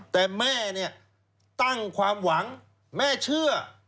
แต่แม่เนี่ยตั้งความหวังแม่เชื่อ